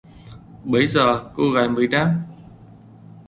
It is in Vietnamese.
Bấy giờ cô gái mới đáp